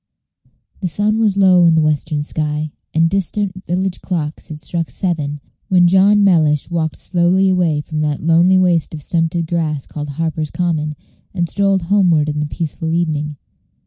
The sun was low in the western sky, and distant village clocks had struck seven, when John Mellish walked slowly away from that Page 143 lonely waste of stunted grass called Harper's Common, and strolled homeward in the peaceful evening.